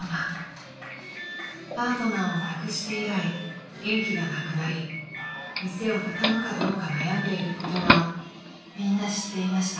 ［パートナーを亡くして以来元気がなくなり店を畳むかどうか悩んでいることはみんな知っていました］